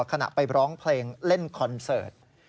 ขณะไปร้องเพลงเล่นคอนเสิร์ต